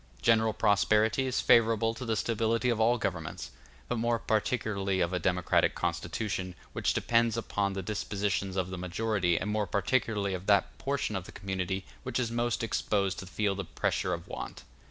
General prosperity is favorable to the stability of all governments, but more particularly of a democratic constitution, which depends upon the dispositions of the majority, and more particularly of that portion of the community which is most exposed to feel the pressure of want.